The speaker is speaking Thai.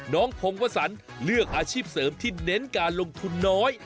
พงวสันเลือกอาชีพเสริมที่เน้นการลงทุนน้อย